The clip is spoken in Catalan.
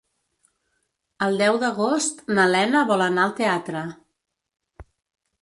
El deu d'agost na Lena vol anar al teatre.